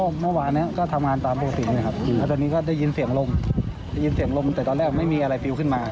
เมื่อวานนี้ก็ทำงานตามปกตินะครับแล้วตอนนี้ก็ได้ยินเสียงลมได้ยินเสียงลมแต่ตอนแรกไม่มีอะไรฟิวขึ้นมา